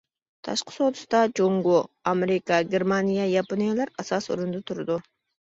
تاشقى سودىسىدا جۇڭگو، ئامېرىكا، گېرمانىيە، ياپونىيەلەر ئاساسى ئورۇندا تۇرىدۇ.